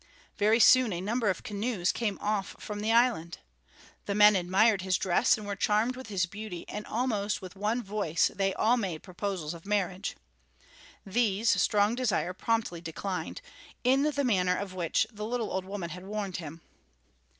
Very soon a number of canoes came off from the island. The men admired his dress and were charmed with his beauty and almost with one voice they all made proposals of marriage. These Strong Desire promptly declined, in the manner of which the little old woman had warned him.